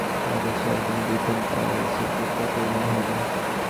এই দেশে একজন বুদ্ধ পাওয়া গেলে প্রভূত কল্যাণ হইবে।